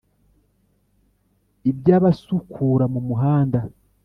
iby’abasukura mumuhanda